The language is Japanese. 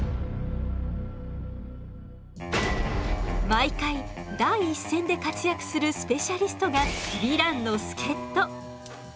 毎回第一線で活躍するスペシャリストがヴィランの助っと！